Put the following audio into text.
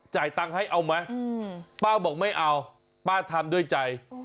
ตังค์ให้เอาไหมป้าบอกไม่เอาป้าทำด้วยใจ